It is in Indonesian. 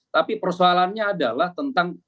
tapi persoalannya adalah tentang